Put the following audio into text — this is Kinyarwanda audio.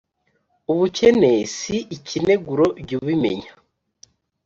Ubukene si ikineguro jyu bimenya